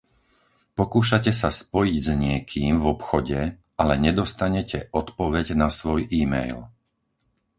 Pokúšate sa spojiť s niekým v obchode, ale nedostanete odpoveď na svoj e-mail.